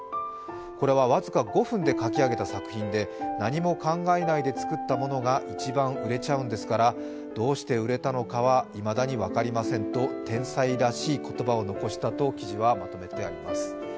これは僅か５分で書き上げた作品で何も考えないで作ったものが一番売れちゃうんですからどうして売れたのかはいまだに分かりませんと天才らしい言葉を残したと記事はまとめています。